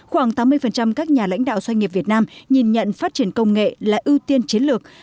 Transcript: khoảng tám mươi các nhà lãnh đạo doanh nghiệp việt nam nhìn nhận phát triển công nghệ là ưu tiên chiến lược